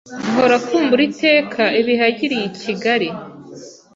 ahora akumbura iteka ibihe yagiriye i Kigali